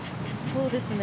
そうですね。